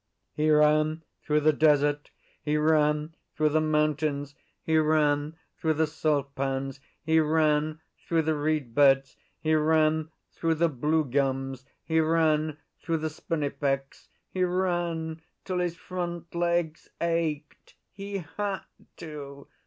He ran through the desert; he ran through the mountains; he ran through the salt pans; he ran through the reed beds; he ran through the blue gums; he ran through the spinifex; he ran till his front legs ached. He had to!